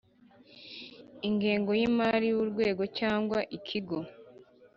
ingengo y imari y Urwego cyangwa Ikigo